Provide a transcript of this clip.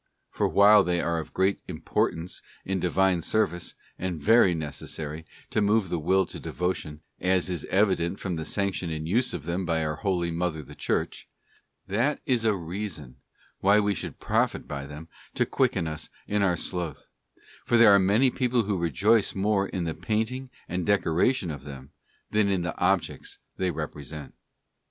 For while they are of great importance in Divine service, and very necessary to move the will to devotion, as is evident from the sanction and use of them by our Holy Mother the Church—that is a reason why we should profit by them to quicken us in our sloth— there are many people who rejoice more in the painting and decoration of them than in 'the objects they represent.